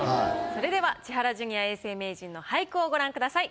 それでは千原ジュニア永世名人の俳句をご覧ください。